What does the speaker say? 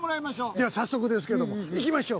では早速ですけども行きましょう。